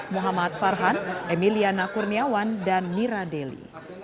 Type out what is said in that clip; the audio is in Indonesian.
muhammad farhan emiliana kurniawan dan mira deli